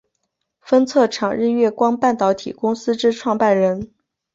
封测厂日月光半导体公司之创办人。